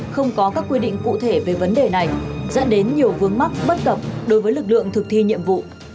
không có các quy định cụ thể về vấn đề này dẫn đến nhiều vướng mắc bất cập đối với lực lượng thực thi nhiệm vụ